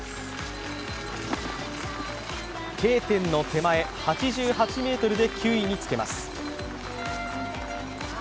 Ｋ点の手前８８ｍで９位につけます。